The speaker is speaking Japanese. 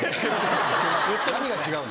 何が違うの？